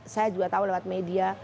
saya juga tahu lewat media